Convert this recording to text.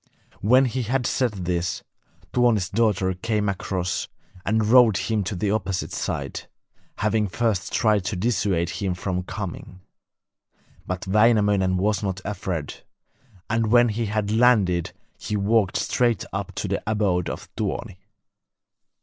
When he had said this, Tuoni's daughter came across and rowed him to the opposite side, having first tried to dissuade him from coming. But Wainamoinen was not afraid; and when he had landed he walked straight up to the abode of Tuoni.